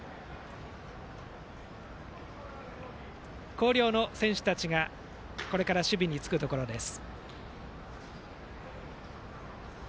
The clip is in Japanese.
広陵の選手たちがこれから守備につくところです。